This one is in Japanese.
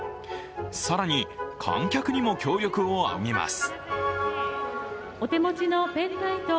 更に、観客にも協力をあおぎます。